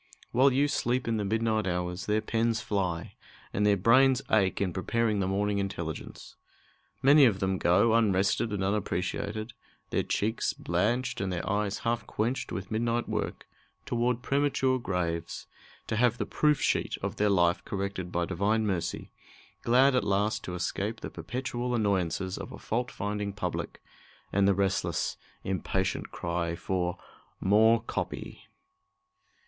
While you sleep in the midnight hours, their pens fly, and their brains ache in preparing the morning intelligence. Many of them go, unrested and unappreciated, their cheeks blanched and their eyes half quenched with midnight work, toward premature graves, to have the "proof sheet" of their life corrected by Divine mercy, glad at last to escape the perpetual annoyances of a fault finding public, and the restless, impatient cry for "more copy."